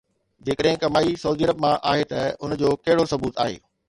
جيڪڏهن ڪمائي Saudi Arab مان آهي ته ان جو ڪهڙو ثبوت آهي؟